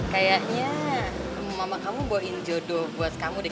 kayaknya mama kamu bawain jodoh buat kamu deh